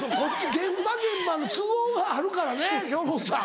現場現場の都合があるからね京本さん。